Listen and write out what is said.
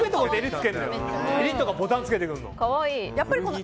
襟とかボタンつけてくるの。